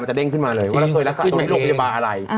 เด้งขึ้นมาเลยว่าเราเคยรักษาตัวที่โรงพยาบาลอะไร